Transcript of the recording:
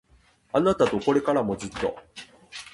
あなたとこれからもずっと